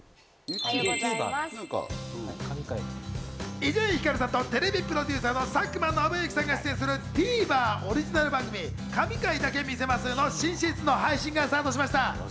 伊集院光さんとテレビプロデューサーの佐久間宣行さんが出演するＴＶｅｒオリジナル番組『神回だけ見せます！』の新シーズンの配信がスタートしました。